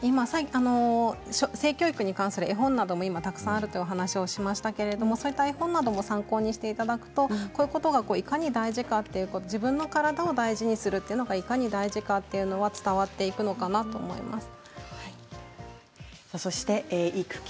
性教育に関する絵本なども今、たくさんあるとお話ししましたけれどもそういった絵本なども参考にしていただくとこういうことがいかに大事かと自分の体を大事にするのがいかに大事かと伝わっていくのかなと思います。